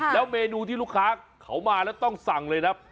แล้วเมนูที่ลูกค้าเขามาแล้วต้องสั่งเลยนะ